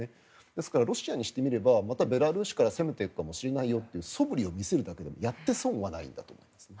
ですから、ロシアにしてみればまたベラルーシから攻めていくよというそぶりを見せるだけでもやって損はないんだと思います。